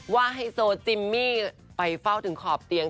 ไฮโซจิมมี่ไปเฝ้าถึงขอบเตียง